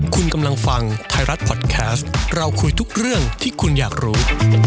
คุณกำลังฟังไทยรัฐพอดแคสต์เราคุยทุกเรื่องที่คุณอยากรู้